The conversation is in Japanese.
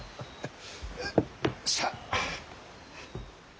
さあ。